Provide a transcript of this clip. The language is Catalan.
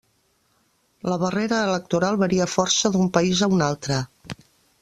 La barrera electoral varia força d'un país a un altre.